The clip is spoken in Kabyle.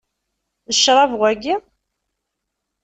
D ccṛab waki?